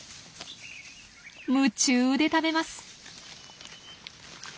夢中で食べます。